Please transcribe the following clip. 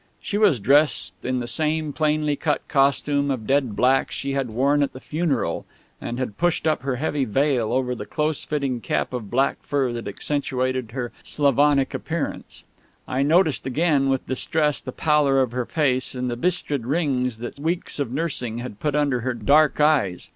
She was dressed in the same plainly cut costume of dead black she had worn at the funeral, and had pushed up her heavy veil over the close fitting cap of black fur that accentuated her Sclavonic appearance. I noticed again with distress the pallor of her face and the bistred rings that weeks of nursing had put under her dark eyes.